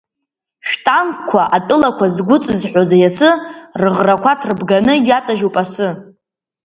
Шәтанкқәа, атәылақәа згәыҵызҳәоз иацы, рыӷрақәа ҭрыбганы, иаҵажьуп асы.